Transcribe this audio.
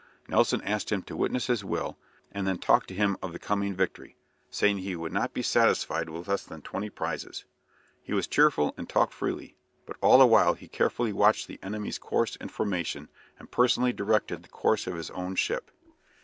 Nelson asked him to witness his will, and then talked to him of the coming victory, saying he would not be satisfied with less than twenty prizes. He was cheerful and talked freely, but all the while he carefully watched the enemy's course and formation, and personally directed the course of his own ship.